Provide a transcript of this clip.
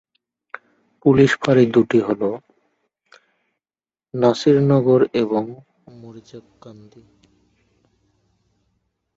Police ফাঁড়ি দুটি হল- নাসিরনগর এবং মরিচাকান্দি।